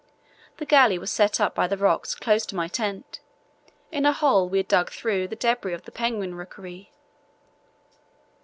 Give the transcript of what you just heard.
The galley was set up by the rocks close to my tent, in a hole we had dug through the debris of the penguin rookery.